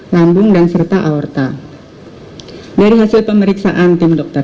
kami ngintiplah berkedai yang sudah dimasukkan egosensi ke potongan millionimir puslavor